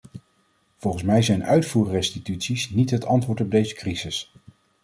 Volgens mij zijn uitvoerrestituties niet het antwoord op deze crisis.